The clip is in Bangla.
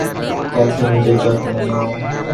ক্যাথি, নিজের যত্ন নিও।